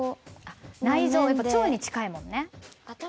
腸に近いもんね。